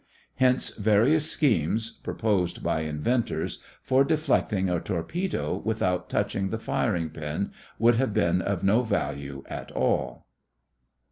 Hence various schemes, proposed by inventors, for deflecting a torpedo without touching the firing pin, would have been of no value at all.